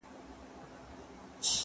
زه به کالي وچولي وي!